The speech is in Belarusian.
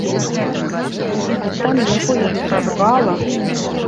А там яго як прарвала.